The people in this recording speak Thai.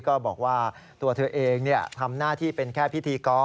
ก็บอกว่าตัวเธอเองทำหน้าที่เป็นแค่พิธีกร